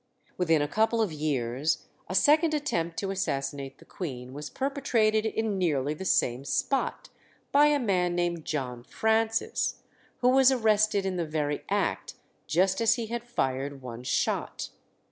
Within a couple of years a second attempt to assassinate the Queen was perpetrated in nearly the same spot, by a man named John Francis, who was arrested in the very act, just as he had fired one shot.